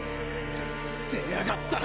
出やがったな。